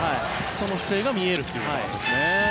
その姿勢が見えるということですね。